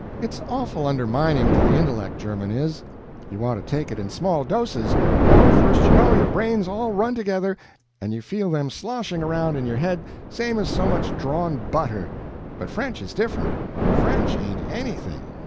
It's awful undermining to the intellect, German is; you want to take it in small doses, or first you know your brains all run together, and you feel them sloshing around in your head same as so much drawn butter. But French is different; FRENCH ain't anything.